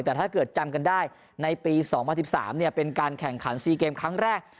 แต่ถ้าเกิดจำกันได้ในปี๒๐๑๓เป็นการแข่งขัน๔เกมครั้งแรก